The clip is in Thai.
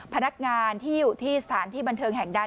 พนักงานที่อยู่ที่สถานที่บันเทิงแห่งใด